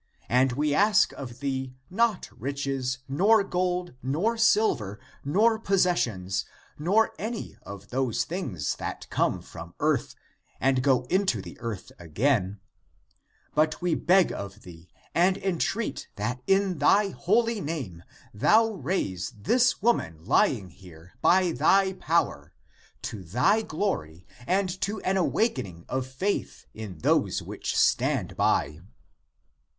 And we ask of thee not riches, nor gold, nor silver, nor possessions, nor any of those things that come from earth and go into the earth again; but we beg of thee, and entreat that in thy holy name thou raise this woman lying here by thy power, to thy glory and to an awakening of faith in those which stand by."